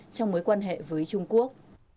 trong mối quan hệ với trung quốc